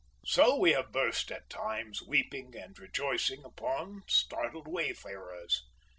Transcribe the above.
So we have burst at times, weeping and rejoicing, upon startled wayfarers.